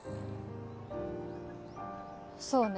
そうね